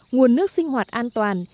nguồn nước sinh hoạt an toàn